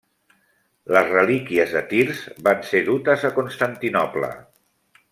Les relíquies de Tirs van ser dutes a Constantinoble.